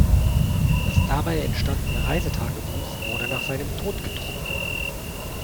Das dabei entstandene Reisetagebuch wurde nach seinem Tod gedruckt.